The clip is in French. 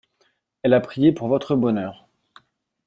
Elle a prié pour votre bonheur.